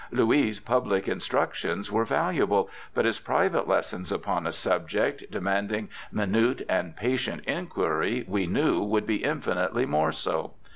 Louis' public instructions were valuable, but his private lessons upon a subject demanding minute and patient inquiry we knew would be infinitely more so.